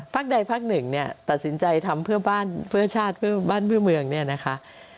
ใดพักหนึ่งเนี่ยตัดสินใจทำเพื่อบ้านเพื่อชาติเพื่อบ้านเพื่อเมืองเนี่ยนะคะ